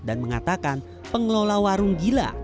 dan mengatakan pengelola warung gila